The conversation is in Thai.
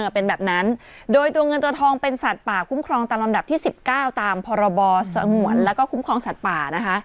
เป็นแบบนั้นโดยตัวเงินตัวทองเป็นสัตว์ป่าคุ้มครองตามลำดับที่๑๙ตามพรบสงวนแล้วก็คุ้มครองสัตว์ป่านะคะ